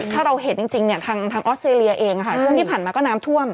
ถ้าเราเห็นจริงทางออสเตรเลียเองช่วงที่ผ่านมาก็น้ำท่วม